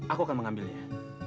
aku akan mengambilnya